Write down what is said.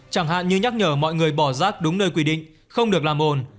chẳng hạn như nhắc nhở mọi người bỏ rác đúng nơi quy định không được làm ồn